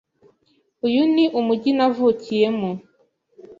Uyu ni umujyi navukiyemo.